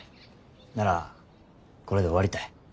ならこれで終わりたい。